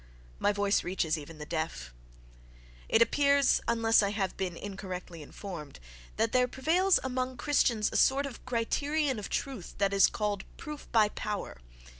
My voice reaches even the deaf.—It appears, unless I have been incorrectly informed, that there prevails among Christians a sort of criterion of truth that is called "proof by power."